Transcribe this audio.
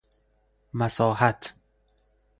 مساحت